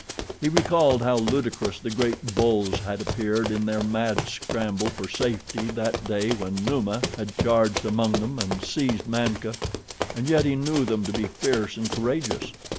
He recalled how ludicrous the great bulls had appeared in their mad scramble for safety that day when Numa had charged among them and seized Mamka, and yet he knew them to be fierce and courageous.